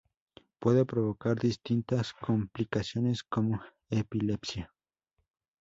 Puede provocar distintas complicaciones como epilepsia.